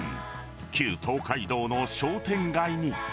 旧東海道の商店街に。